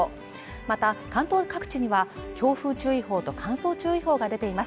また関東各地には強風注意報と乾燥注意報が出ています